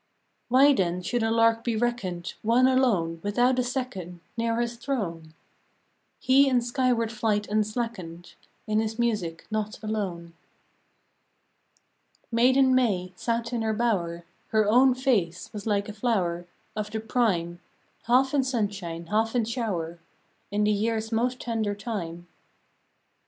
" Why then should a lark be reckoned One alone, without a second Near his throne ? He in skyward flight unslackened, In his music, not alone." Maiden May sat in her bower; Her own face was like a flower Of the prime, Half in sunshine, half in shower, In the year's most tender time.